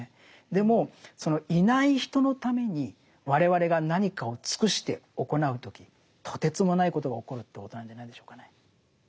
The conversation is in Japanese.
でもそのいない人のために我々が何かを尽くして行う時とてつもないことが起こるということなんじゃないでしょうかね。